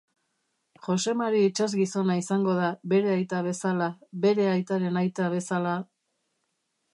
Josemari itsasgizona izango da, bere aita bezala, bere aitaren aita bezala...